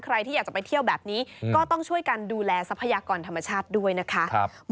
ใครที่อยากจะไปเที่ยวแบบนี้ก็ต้องช่วยกันดูแลทรัพยากรธรรมชาติด้วยนะคะ